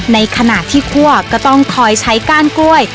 ในขณะที่คั่วก็ต้องคอยใช้ก้านกล้วย